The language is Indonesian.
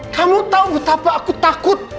kamu tahu betapa aku takut